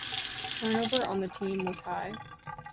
Turnover on the team was high.